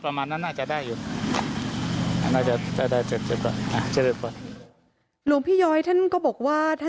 ท่านจะบอกว่า